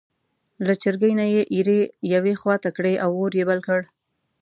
له چرګۍ نه یې ایرې یوې خوا ته کړې او اور یې بل کړ.